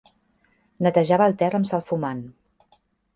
Netejava el terra amb salfumant.